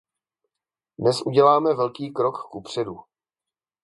Dnes uděláme velký krok kupředu.